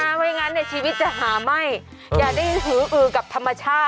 นะคะไว้อย่างนั้นเนี่ยชีวิตจะหาไม้อย่าได้ถืออือกับธรรมชาติ